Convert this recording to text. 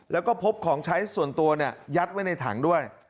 แล้วก็พบของใช้ส่วนตัวยัดไว้ในถังด้วย